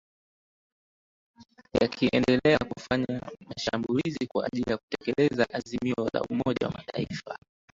yakiendelea kufanya mashambulizi kwajili ya kutekeleza azimio la umoja mataifa